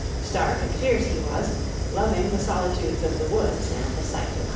Stark and fierce he was, loving the solitudes of the woods and the sight of hart and hind.